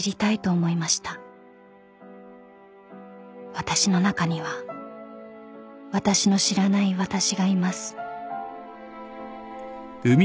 ［私の中には私の知らない私がいます］